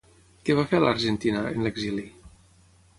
Què va fer a l'Argentina, en l'exili?